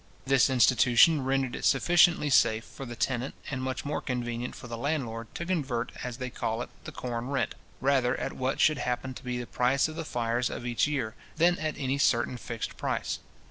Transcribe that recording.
This institution rendered it sufficiently safe for the tenant, and much more convenient for the landlord, to convert, as they call it, the corn rent, rather at what should happen to be the price of the fiars of each year, than at any certain fixed price.